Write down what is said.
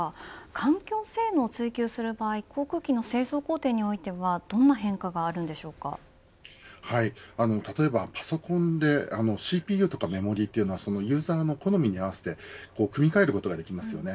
環境性能を追求する場合航空機の製造工程においては例えばパソコンでＣＰＵとかメモリというのはユーザーの好みに合わせて組み替えることができますよね。